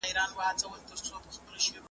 ایا افغان سوداګر ممیز اخلي؟